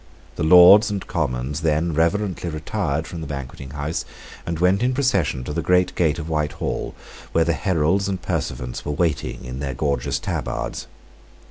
The Lords and Commons then reverently retired from the Banqueting House and went in procession to the great gate of Whitehall, where the heralds and pursuivants were waiting in their gorgeous tabards.